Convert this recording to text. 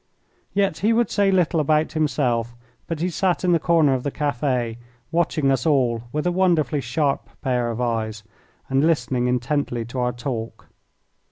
Yet he would say little about himself, but he sat in the corner of the cafe watching us all with a wonderfully sharp pair of eyes and listening intently to our talk.